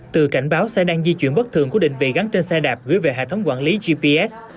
từ cảnh báo xe đang di chuyển bất thường của định vị gắn trên xe đạp gửi về hệ thống quản lý gps